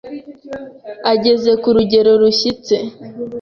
ageze ku rugero rushyitse.